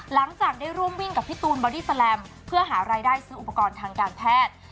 หลังจากได้ร่วมวิ่งกับพี่ตูนบอดี้แลมเพื่อหารายได้ซื้ออุปกรณ์ทางการแพทย์